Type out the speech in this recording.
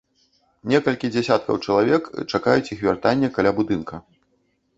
Некалькі дзесяткаў чалавек чакаюць іх вяртання каля будынка.